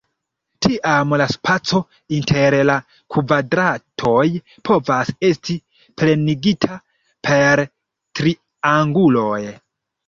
Tiam la spaco inter la kvadratoj povas esti plenigita per trianguloj.